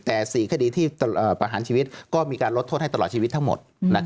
แต่๔คดีที่ประหารชีวิตก็มีการลดโทษให้ตลอดชีวิตทั้งหมด